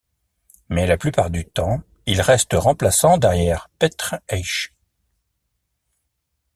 Mais la plupart du temps il reste remplaçant derrière Petr Eich.